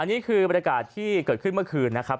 นี่คือบรรยากาศที่เกิดขึ้นเมื่อคืนนะครับ